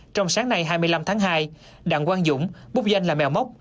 trong sáng nay hai mươi năm tháng hai đảng quang dũng búc danh là mèo móc